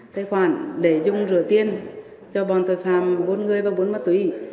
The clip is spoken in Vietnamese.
tài khoản để dùng rửa tiền cho bọn tội phạm bốn người và bốn mất tùy